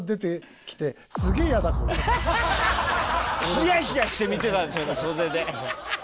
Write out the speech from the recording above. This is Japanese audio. ひやひやして見てたんでしょうね袖で。